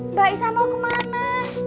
mbak isah mau kemana